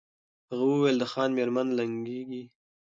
هغه وویل د خان مېرمن لنګیږي